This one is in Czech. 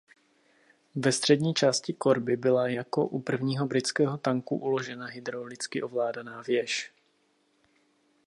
Ve střední části korby byla jako u prvního britského tanku uložena hydraulicky ovládaná věž.